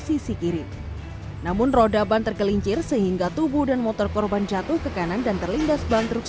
sisi kiri namun roda ban tergelincir sehingga tubuh dan motor korban jatuh ke kanan dan terlindas bantruk